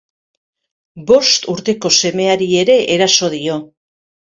Bost urteko semeari ere eraso dio.